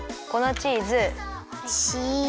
チーズだ。